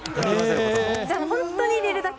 じゃあ、本当に入れるだけ？